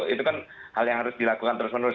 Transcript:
itu kan hal yang harus dilakukan terus menerus